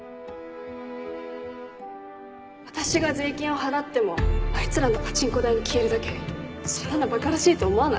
私が税金を払ってもあいつらのパチンコ代に消えるだけそんなのばからしいと思わない？